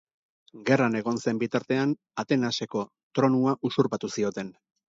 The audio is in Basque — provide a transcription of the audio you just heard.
Gerran egon zen bitartean Atenaseko tronua usurpatu zioten.